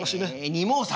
二毛作。